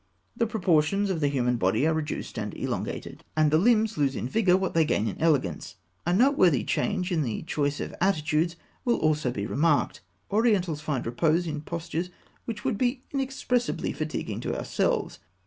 The proportions of the human body are reduced and elongated, and the limbs lose in vigour what they gain in elegance. A noteworthy change in the choice of attitudes will also be remarked. Orientals find repose in postures which would be inexpressibly fatiguing to ourselves.